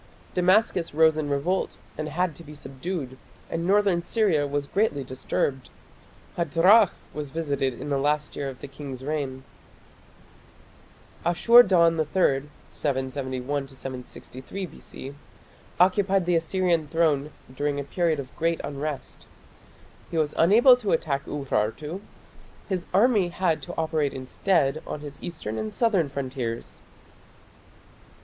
Damascus rose in revolt and had to be subdued, and northern Syria was greatly disturbed. Hadrach was visited in the last year of the king's reign. Ashur dan III (771 763 B.C.) occupied the Assyrian throne during a period of great unrest. He was unable to attack Urartu. His army had to operate instead on his eastern and southern frontiers.